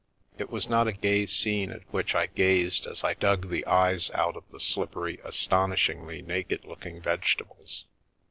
It was not a gay scene at which I gazed as 1 dug the "eyes" out of the slippery, astonishinglj naked looking vegetables.